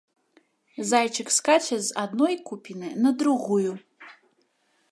Зайчык скача з адной купіны на другую.